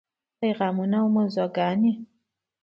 پیغامونه او موضوعګانې: